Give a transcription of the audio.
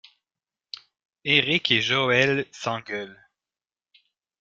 Éric et Joëlle s'engueulent.